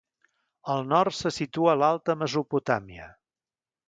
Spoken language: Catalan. Al nord se situa l'Alta Mesopotàmia.